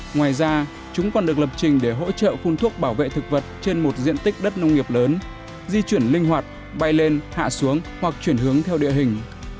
ngoài ra chúng còn được lập trình để hỗ trợ phun thuốc bảo vệ thực vật trên một diện tích đất nông nghiệp lớn di chuyển linh hoạt bay lên hạ xuống hoặc chuyển hướng theo địa hình